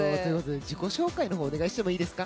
自己紹介の方お願いしてもいいですか？